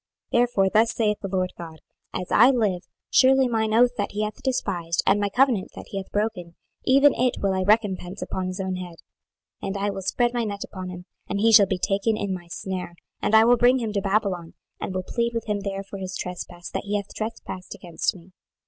26:017:019 Therefore thus saith the Lord GOD; As I live, surely mine oath that he hath despised, and my covenant that he hath broken, even it will I recompense upon his own head. 26:017:020 And I will spread my net upon him, and he shall be taken in my snare, and I will bring him to Babylon, and will plead with him there for his trespass that he hath trespassed against me.